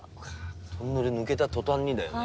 トンネル抜けた途端にだよね。